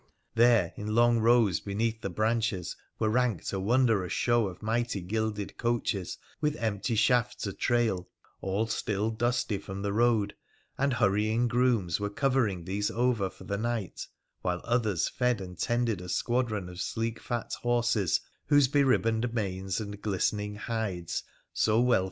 There in long rows beneath the branches were ranked a wondrous show of mighty gilded coaches with empty shafts a trail, all still dusty from the road, and hurrying grooms were covering these over for the night, while others fed and tended a squadron of sleek fat horses, whose be ribboned manes and glistening hides so well